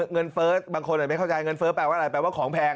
เฟิร์สบางคนไม่เข้าใจเงินเฟ้อแปลว่าอะไรแปลว่าของแพง